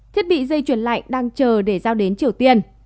thiết bị dây chuyển lạnh đang chờ để giao đến triều tiên